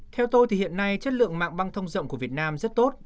theo tôi thì hiện nay chất lượng mạng băng thông rộng của việt nam rất tốt